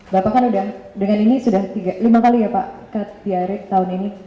bapak kan dengan ini sudah lima kali ya pak kat diare tahun ini